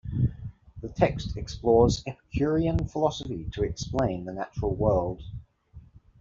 The text explores epicurean philosophy to explain the natural world.